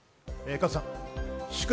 加藤さん、祝！